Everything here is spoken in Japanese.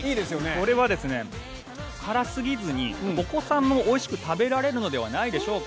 これは辛すぎずにお子さんもおいしく食べられるのではないでしょうか